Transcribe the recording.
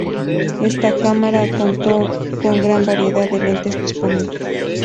Esta cámara contó con gran variedad de lentes disponibles.